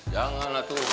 jangan lah tuh